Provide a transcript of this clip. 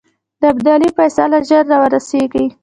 د ابدالي فیصله ژر را ورسېږي.